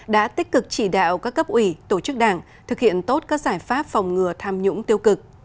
đã tích cực chỉ đạo các cấp ủy tổ chức đảng thực hiện tốt các giải pháp phòng ngừa tham nhũng tiêu cực